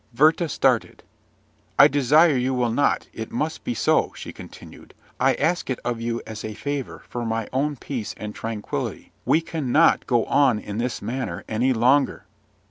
Werther started. "I desire you will not: it must be so," she continued. "I ask it of you as a favour, for my own peace and tranquillity. We cannot go on in this manner any longer."